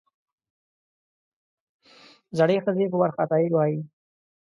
زړې ښځې په وارخطايي وې.